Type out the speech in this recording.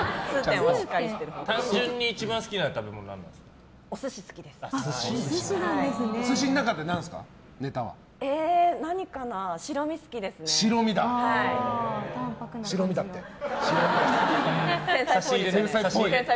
単純に一番好きな食べ物は何ですか。